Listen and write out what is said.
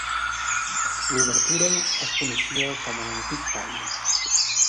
L'obertura es coneixia com a "L'antic tall".